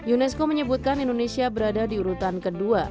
unesco menyebutkan indonesia berada di urutan kedua